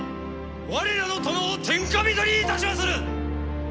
我らの殿を天下人にいたしまする！